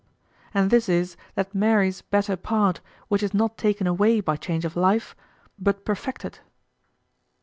And this is that Mary's better part which is not taken away by change of life, but perfected.